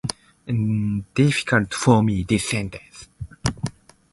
Anyone who tried to hoodwink him was on a forlorn and dangerous path.